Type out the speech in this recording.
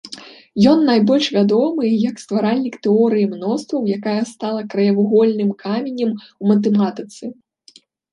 Ён найбольш вядомы як стваральнік тэорыі мностваў, якая стала краевугольным каменем у матэматыцы.